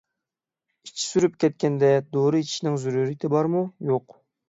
ئىچى سۈرۈپ كەتكەندە دورا ئىچىشنىڭ زۆرۈرىيىتى بارمۇ-يوق؟